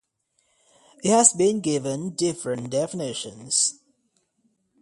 It has been given different definitions.